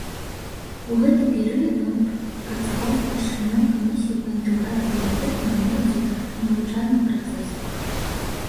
У гэты перыяд ён працаваў старшынём камісіі па інтэграцыі дэфектнай моладзі ў навучальны працэс.